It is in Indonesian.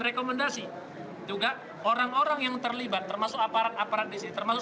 rekomendasi juga orang orang yang terlibat termasuk aparat aparat disini termasuk